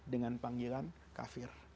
dengan panggilan kafir